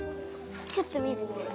ちょっとみるね。